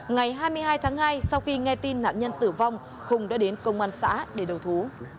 ngày hai mươi hai tháng hai sau khi nghe tin nạn nhân tử vong hùng đã đến công an xã để đầu thú